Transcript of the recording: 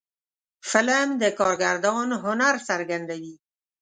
فلم د کارگردان هنر څرګندوي